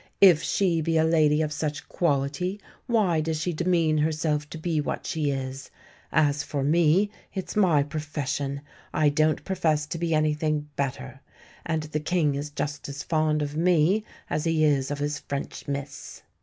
If she be a lady of such quality, why does she demean herself to be what she is? As for me, it's my profession; I don't profess to be anything better. And the King is just as fond of me as he is of his French miss."